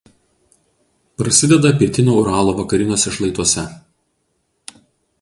Prasideda Pietinio Uralo vakariniuose šlaituose.